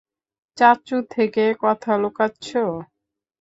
চাচ্চু থেকে কথা লুকাচ্ছো?